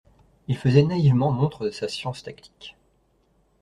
Il faisait naïvement montre de sa science tactique.